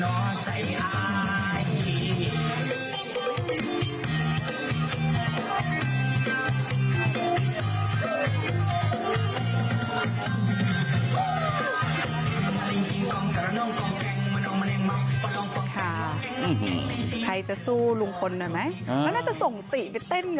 โอ้แก๊งโอ้แก๊งในชีวิตเธอ